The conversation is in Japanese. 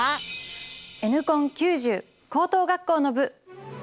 「Ｎコン９０」高等学校の部。